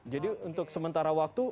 jadi untuk sementara waktu